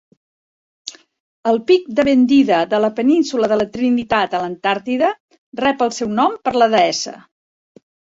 El pic de Bendida de la Península de la Trinitat a l'Antàrtida rep el seu nom per la deessa.